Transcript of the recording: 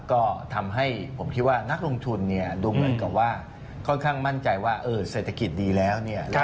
ก็ทำให้ผมคิดว่านักลงทุนดูเหมือนกับว่าค่อนข้างมั่นใจว่าเศรษฐกิจดีแล้วเนี่ย